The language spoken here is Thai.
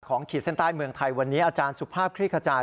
ขีดเส้นใต้เมืองไทยวันนี้อาจารย์สุภาพคลี่ขจาย